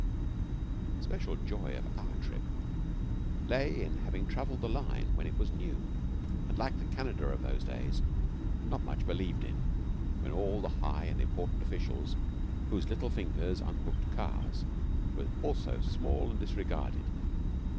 The special joy of our trip lay in having travelled the line when it was new and, like the Canada of those days, not much believed in, when all the high and important officials, whose little fingers unhooked cars, were also small and disregarded.